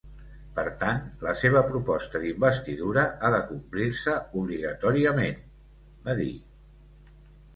Per tant, la seva proposta d’investidura ha de complir-se obligatòriament, va dir.